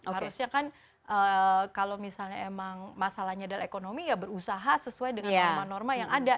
harusnya kan kalau misalnya emang masalahnya adalah ekonomi ya berusaha sesuai dengan norma norma yang ada